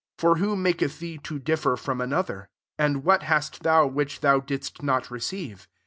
7 For who maketh thee to differ from ari" other? and what hast thou which thou didst not receive